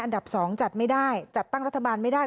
อันดับ๒จัดไม่ได้จัดตั้งรัฐบาลไม่ได้